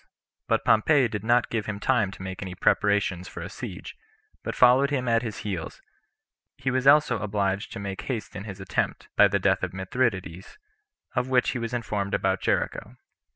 But Pompey did not give him time to make any preparations [for a siege], but followed him at his heels; he was also obliged to make haste in his attempt, by the death of Mithridates, of which he was informed about Jericho.